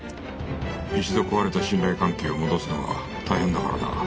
一度壊れた信頼関係を戻すのは大変だからな。